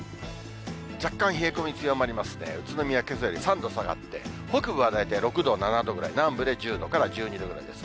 若干冷え込み強まりますね、宇都宮、けさより３度下がって、北部は大体６度、７度ぐらい、南部で１０度から１２度ぐらいです。